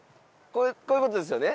こういう事ですよね？